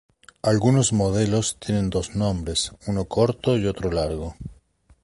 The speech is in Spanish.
Algunos modelos tienen dos nombres, uno corto y otro largo.